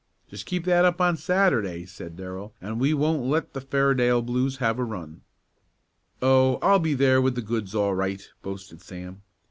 "Just keep that up on Saturday," said Darrell, "and we won't let the Fairdale Blues have a run." "Oh, I'll be there with the goods all right," boasted Sam.